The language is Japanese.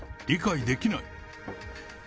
理解できない。